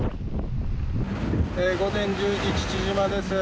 午前１０時、父島です。